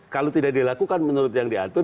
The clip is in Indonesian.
kalau tidak dilakukan menurut yang diatur